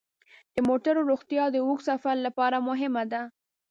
د موټرو روغتیا د اوږد سفر لپاره مهمه ده.